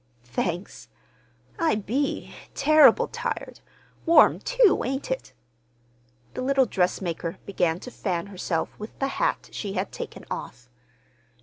"Thanks. I be—turrible tired. Warm, too, ain't it?" The little dressmaker began to fan herself with the hat she had taken off.